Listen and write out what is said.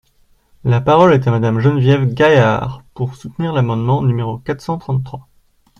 La parole est à Madame Geneviève Gaillard, pour soutenir l’amendement numéro quatre cent trente-trois.